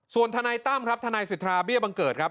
ส่วนทนายตั้มครับทนายสิทธาเบี้ยบังเกิดครับ